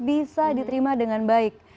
bisa diterima dengan baik